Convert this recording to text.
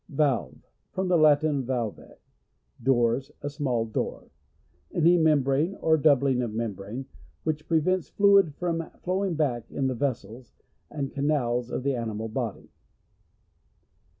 Valve. — From the Latin, valva, doors — a small door. Any membrane or doubling of membrane which pre vents fluids from flowing back in the vessels and canals of the ani mal body.